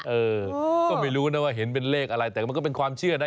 เออก็ไม่รู้นะว่าเห็นเป็นเลขอะไรแต่มันก็เป็นความเชื่อนะ